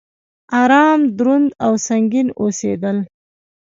ارام، دروند او سنګين اوسيدل